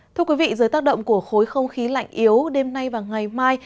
thưa quý vị dưới tác động của khối không khí lạnh yếu đêm nay và ngày mai